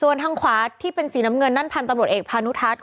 ส่วนทางขวาที่เป็นสีน้ำเงินนั่นพันธุ์ตำรวจเอกพานุทัศน